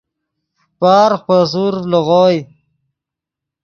پارغ پے سورڤ لیغوئے